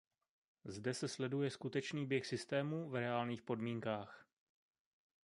Zde se sleduje skutečný běh systému v reálných podmínkách.